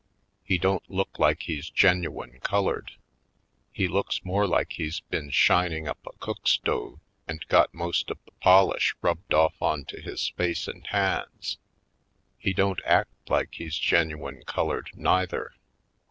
He don't look like he's genu ine colored; he looks more like he's been shining up a cook stove and got most of the polish rubbed off onto his face and hands. He don't act like he's genuine colored, neither.